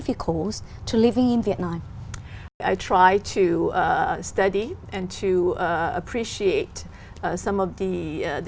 nhiều hơn những sự khác biệt